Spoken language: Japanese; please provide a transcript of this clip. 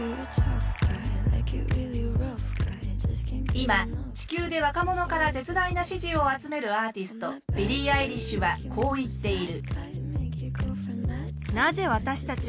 今地球で若者から絶大な支持を集めるアーティストビリー・アイリッシュはこう言っている。